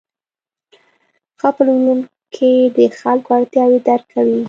ښه پلورونکی د خلکو اړتیاوې درک کوي.